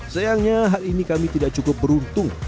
sayangnya hal ini kami tidak cukup beruntung